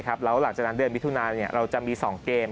แล้วหลังจากนั้นเดือนมิถุนาเราจะมี๒เกม